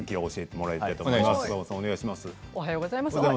おはようございます。